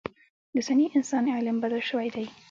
د اوسني انسان علم بدل شوی دی.